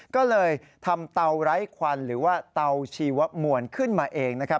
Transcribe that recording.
ก็เลยทำเตาไร้ควันหรือว่าเตาชีวมวลขึ้นมาเองนะครับ